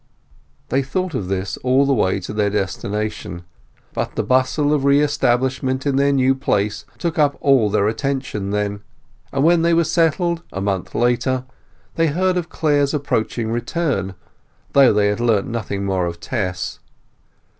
They thought of this all the way to their destination; but the bustle of re establishment in their new place took up all their attention then. But when they were settled, a month later, they heard of Clare's approaching return, though they had learnt nothing more of Tess.